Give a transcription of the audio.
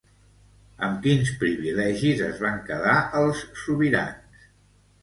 Amb quins privilegis es van quedar els sobirans?